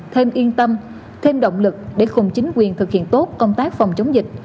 thêm yên tâm thêm động lực để cùng chính quyền thực hiện tốt công tác phòng chống dịch